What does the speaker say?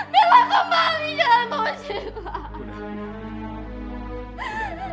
bella kembali jangan bawa siva